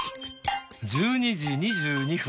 １２時２２分